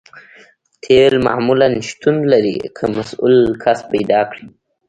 تیل معمولاً شتون لري که مسؤل کس پیدا کړئ